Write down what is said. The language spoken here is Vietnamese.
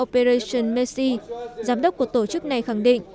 christian mercy giám đốc của tổ chức này khẳng định